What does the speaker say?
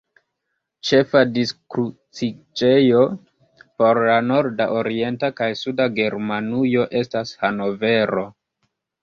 Ĉefa diskruciĝejo por la norda, orienta kaj suda Germanujo estas Hannovero.